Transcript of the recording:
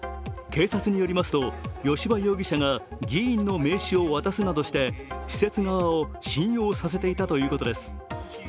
警視庁によりますと、吉羽容疑者が議員の名刺を渡すなどして施設側を信用させていたということです。